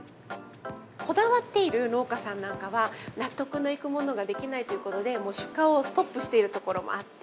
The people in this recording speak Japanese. こだわっている農家さんなんかは、納得のいくものができないということで、もう出荷をストップしている所もあって。